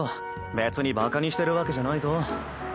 別にバカにしてるわけじゃないぞ。